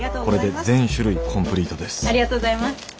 これで全種類コンプリートです。